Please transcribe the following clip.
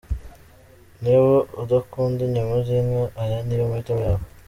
Niba udakunda inyama z’inka aya ni yo mahitamo yawe.